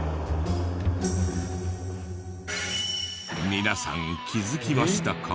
皆さん気づきましたか？